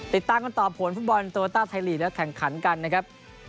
ติดตามกันต่อผลฟุตบอลโตโลต้าไทยลีกและแข่งขันกันนะครับ